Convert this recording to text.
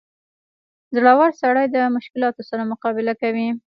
• زړور سړی د مشکلاتو سره مقابله کوي.